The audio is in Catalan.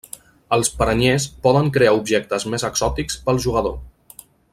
Els paranyers poden crear objectes més exòtics pel jugador.